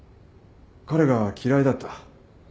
彼が嫌いだった？